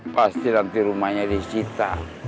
pasti nanti rumahnya disita